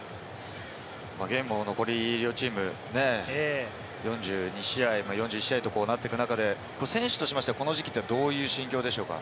ゲームも残り両チームね、４２試合、４１試合となっていく中で、選手としましては、この時期、どういう心境でしょうか？